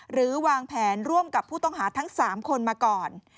หรือวางแผนร่วมกับผู้ต้องหาทั้ง๓คนมาก่อน